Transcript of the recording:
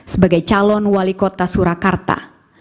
sebagai calon wali kota surakarta